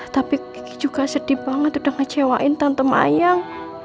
tapi kiki juga sedih banget udah ngecewain tante mayang